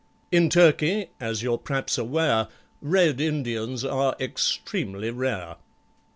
In Turkey, as you're p'raps aware, Red Indians are extremely rare.